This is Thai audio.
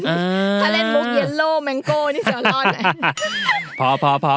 ถ้าเล่นมุกเย็ลโลว์แมงโก้นี่จะรอด